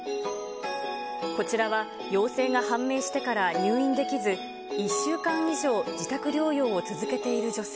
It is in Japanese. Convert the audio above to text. こちらは陽性が判明してから入院できず、１週間以上自宅療養を続けている女性。